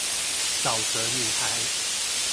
沼澤女孩